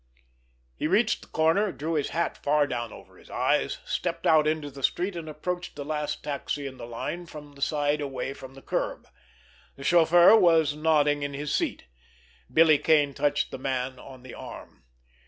He reached the corner, drew his hat far down over his eyes, stepped out into the street, and approached the last taxi in the line from the side away from the curb. The chauffeur was nodding in his seat. Billy Kane touched the man on the arm.